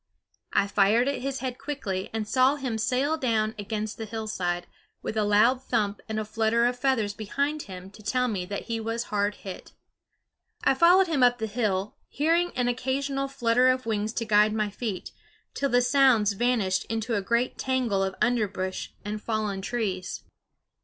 I fired at his head quickly, and saw him sail down against the hillside, with a loud thump and a flutter of feathers behind him to tell me that he was hard hit. I followed him up the hill, hearing an occasional flutter of wings to guide my feet, till the sounds vanished into a great tangle of underbrush and fallen trees.